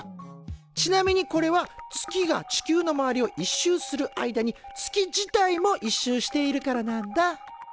ちなみにこれは月が地球の周りを１周する間に月自体も１周しているからなんだ。